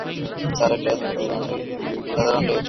Sir, এটা একটা সাধারণ রেইড।